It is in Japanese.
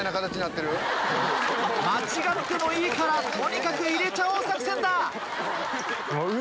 間違ってもいいからとにかく入れちゃおう作戦だ！